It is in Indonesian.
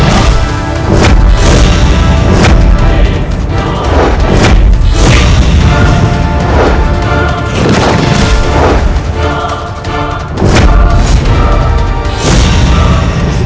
semoga saja ada maksimal satu